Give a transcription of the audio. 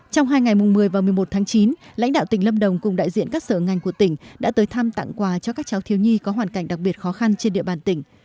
trong hai ngày mùng một mươi và một mươi một tháng chín lãnh đạo tỉnh lâm đồng cùng đại diện các sở ngành của tỉnh đã tới thăm tặng quà cho các cháu thiếu nhi có hoàn cảnh đặc biệt khó khăn trên địa bàn tỉnh